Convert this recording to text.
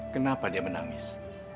kenapa dia menangis